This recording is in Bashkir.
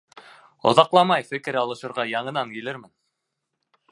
Оҙаҡламай фекер алышырға янынан килермен.